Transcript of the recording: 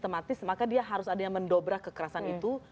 otomatis maka dia harus ada yang mendobrak kekerasan itu